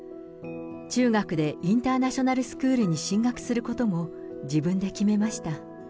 中学でインターナショナルスクールに進学することも自分で決めました。